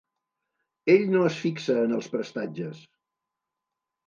Ell no es fixa en els prestatges.